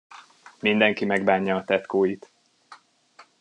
Mindenki megbánja a tetkóit.